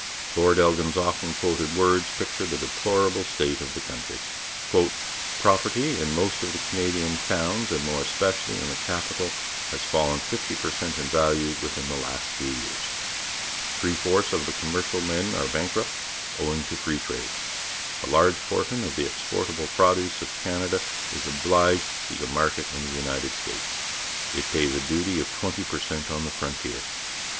Lord Elgin's often quoted words picture the deplorable state of the country: 'Property in most of the Canadian towns, and more especially in the capital, has fallen fifty per cent in value within the last three years. Three fourths of the commercial men are bankrupt, owing to free trade; a large proportion of the exportable produce of Canada is obliged to seek a market in the United States. It pays a duty of twenty per cent on the frontier.